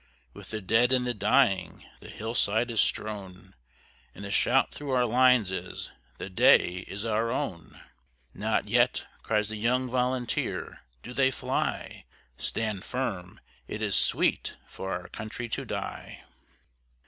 With the dead and the dying the hill side is strown, And the shout through our lines is, "The day is our own!" "Not yet," cries the young volunteer, "do they fly! Stand firm! it is sweet for our country to die!"